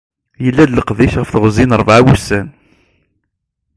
Yella-d leqdic ɣef teɣzi n rebεa n wussan.